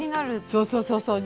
そうそうそうそう。